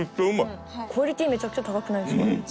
クオリティーめちゃくちゃ高くないですか？